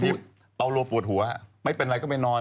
เมื่อกี้เราโรปวดหัวไม่เป็นไรก็ไปนอน